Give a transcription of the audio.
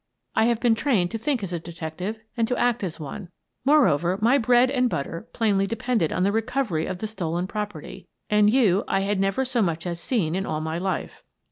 I have been trained to think as a detective and to act as one. Moreover, my bread and butter plainly depended on the recovery of the stolen property — and you I had never so much as seen in all my life.